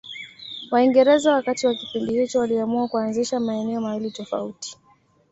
Waingereza wakati wa kipindi hicho waliamua kuanzisha maeneo mawili tofauti